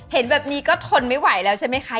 เห็นแบบนี้ก็ทนไม่ไหวแล้วใช่ไหมคะ